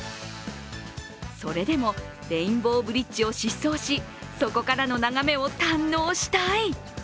それでもレインボーブリッジを疾走し、そこからの眺めを堪能したい。